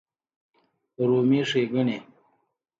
رومي ښېګڼې